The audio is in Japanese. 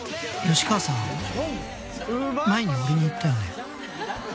「吉川さん前に俺に言ったよね」